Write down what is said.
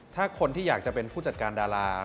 ถ้าคนที่อยากจะเป็นผู้จัดการดารา